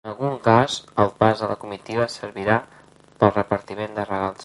En algun cas el pas de la comitiva servirà pel repartiment de regals.